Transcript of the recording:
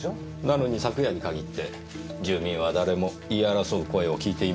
なのに昨夜に限って住民は誰も言い争う声を聞いていません。